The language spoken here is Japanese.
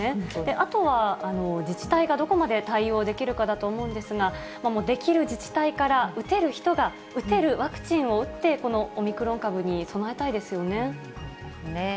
あとは、自治体がどこまで対応できるかだと思うんですが、できる自治体から打てる人が、打てるワクチンを打って、このオミクロン株に備えたいですよね。